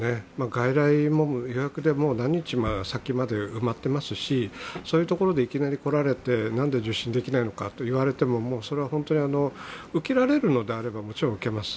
外来も予約で何日も先まで埋まっていますしそういうところでいきなり来られて、なんで受診できないのかと言われてもそれは本当に、受けられるのであれば、もちろん受けます。